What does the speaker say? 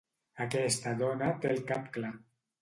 Aquesta dona té el cap clar.